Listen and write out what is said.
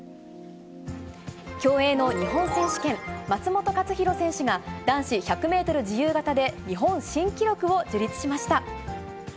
競泳の日本選手権、松元克央選手が、男子１００メートル自由形で日本新記録を樹立しました。